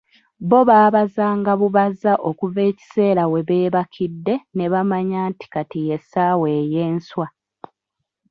Bo baabazanga bubaza okuva ekiseera webeebakidde nebamanya nti kati ye ssaawa ey'enswa.